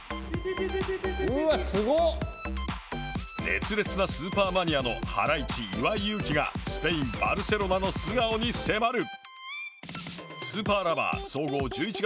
熱烈なスーパーマニアのハライチ・岩井勇気がスペイン、バルセロナの素顔に迫る。